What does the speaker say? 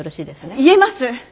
言えます。